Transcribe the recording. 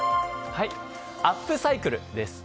アップサイクルです。